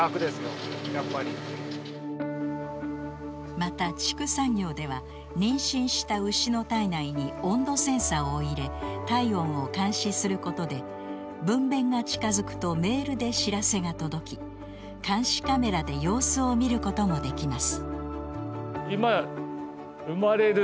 また畜産業では妊娠した牛の体内に温度センサーを入れ体温を監視することで分べんが近づくとメールで知らせが届き監視カメラで様子を見ることもできます。